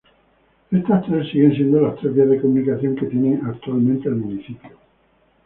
Esas tres siguen siendo las tres vías de comunicación que tiene actualmente el municipio.